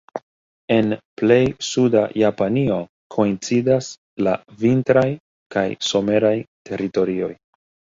En plej suda Japanio koincidas la vintraj kaj someraj teritorioj.